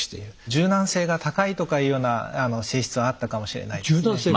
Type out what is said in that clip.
柔軟性が高いとかいうような性質はあったかもしれないですね。